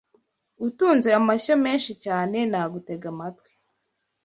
Utunze amashyo menshi cyane nagutega amatwi.